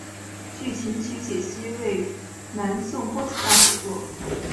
据琴曲解析为南宋郭楚望所作。